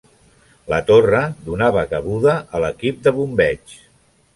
La torre donava cabuda a l'equip de bombeig.